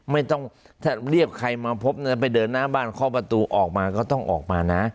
ไม่ต้องถ้าเรียกใครมาพบเนื้อไปเดินหน้าบ้านเคาะประตูออกมาก็ต้องออกมานะ